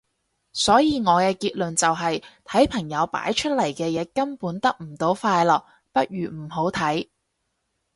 所以我嘅結論就係睇朋友擺出嚟嘅嘢根本得唔到快樂，不如唔好睇